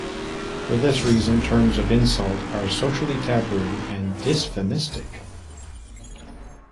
For this reason, terms of insult are socially taboo and dysphemistic.